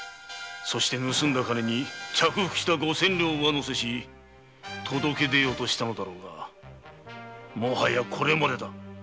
そして盗んだ金に着服した五千両を上乗せし届け出ようとしたのだろうがもはやこれまでだ。